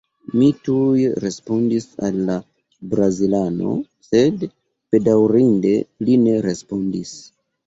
Mi tuj respondis al la brazilano, sed bedaŭrinde li ne respondis.